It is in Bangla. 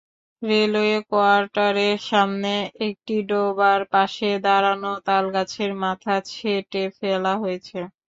রেলওয়ে কোয়ার্টারের সামনে একটি ডোবার পাশে দাঁড়ানো তালগাছের মাথা ছেঁটে ফেলা হয়েছে।